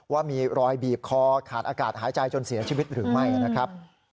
ว่ามีรอยบีบคอขาดอากาศหายใจจนเสียชีวิตหรือไม่นะครับ